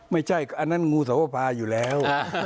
ไม่ใช่อันนั้นงูสวภาอยู่แล้ว